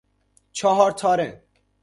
چهار تاره